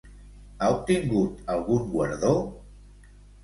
Ha obtingut algun guardó?